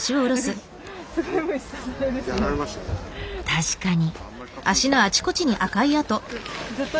確かに。